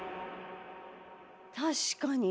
確かに。